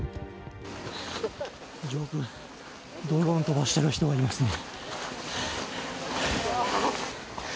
上空にドローンを飛ばしてる人がいますね。